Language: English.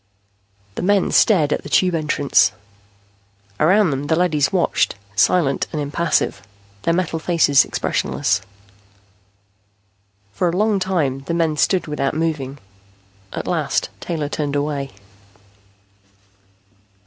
The men stared at the Tube entrance. Around them the leadys watched, silent and impassive, their metal faces expressionless. For a long time the men stood without moving. At last Taylor turned away.